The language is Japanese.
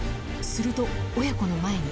すると、親子の前に。